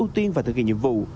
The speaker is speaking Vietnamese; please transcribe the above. tiên và thực hiện nhiệm vụ